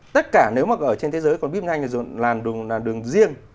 tất cả nếu mà ở trên thế giới còn buýt nhanh là đường riêng